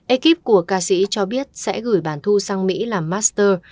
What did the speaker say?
ekip của ca sĩ cho biết sẽ gửi bản thu sang mỹ làm master